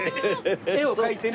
円を描いてね。